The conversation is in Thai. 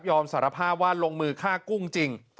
สารภาพว่าลงมือฆ่ากุ้งจริง